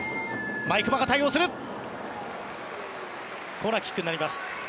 コーナーキックになります。